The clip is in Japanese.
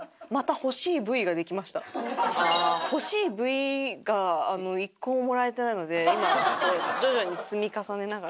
欲しいＶが１個ももらえてないので今徐々に積み重ねながら。